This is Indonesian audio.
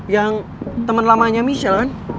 yang teman lamanya michelle kan